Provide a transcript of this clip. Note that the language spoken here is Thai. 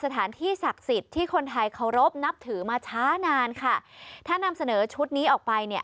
ถือมาช้านานค่ะถ้านำเสนอชุดนี้ออกไปเนี่ย